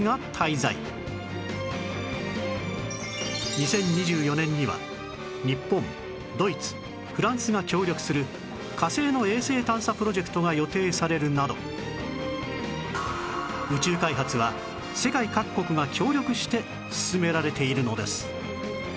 ２０２４年には日本ドイツフランスが協力する火星の衛星探査プロジェクトが予定されるなど宇宙開発は世界各国が協力して進められているのです